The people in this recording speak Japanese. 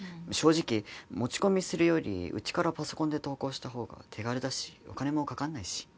正直持ち込みするよりうちからパソコンで投稿したほうが手軽だしお金もかかんないし。